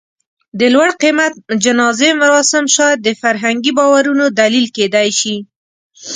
د لوړ قېمت جنازې مراسم شاید د فرهنګي باورونو دلیل کېدی شي.